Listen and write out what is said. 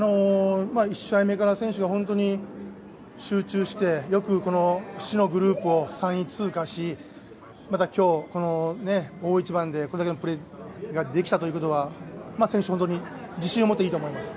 １試合目から選手が集中してよく、死のグループを３位通過しこの大一番でこれだけのプレーができたということは選手、本当に自信を持っていいと思います。